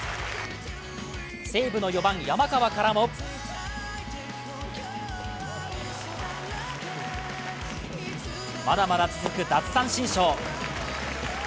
西武の４番・山川からもまだまだ続く、奪三振ショー。